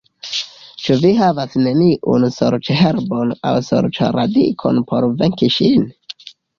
Ĉu vi havas neniun sorĉherbon aŭ sorĉradikon por venki ŝin?